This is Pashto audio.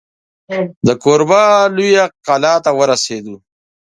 د کوربه لویې کلا ته ورسېدو.